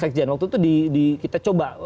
sekjen waktu itu kita coba